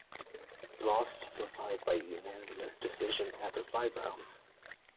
He lost the fight by unanimous decision after five rounds.